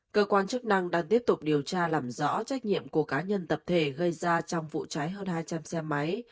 cơ quan chức năng đang tiếp tục điều tra làm rõ trách nhiệm của cá nhân tập thể gây ra trong vụ cháy hơn hai trăm linh xe máy